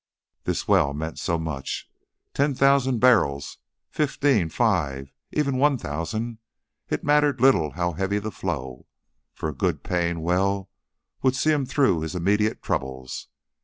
This well meant so much. Ten thousand barrels, fifteen, five even one thousand; it mattered little how heavy the flow, for a good paying well would see him through his immediate troubles.